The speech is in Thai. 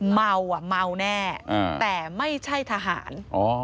เมาอ่ะเมาแน่แต่ไม่ใช่ทหาร